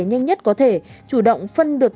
nhanh nhất có thể chủ động phân được